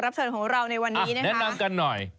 เชิญของเราในวันนี้นะคะแนะนำกันหน่อย